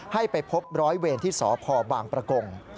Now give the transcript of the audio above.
ให้ไปพบร้อยเวรที่สพบางประกง